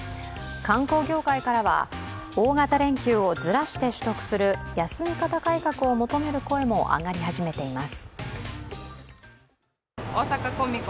観光業界からは大型連休をずらして取得する休み方改革を求める声も上がり始めています。